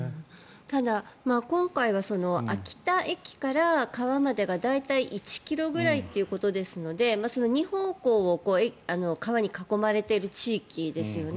ただ、今回は秋田駅から川までが大体１ｋｍぐらいということですので２方向を川に囲まれている地域ですよね。